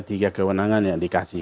tiga kewenangan yang dikasih